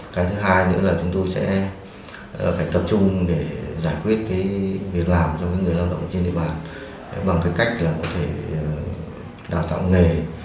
cái thứ hai nữa là chúng tôi sẽ phải tập trung để giải quyết việc làm cho người lao động trên địa bàn bằng cách đào tạo nghề